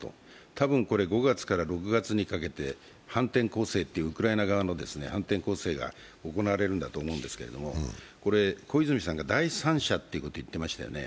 たぶん、５月から６月にかけてウクライナ側の反転攻勢が行われるんだと思うんですけれども、小泉さんが第三者と言っていましたよね。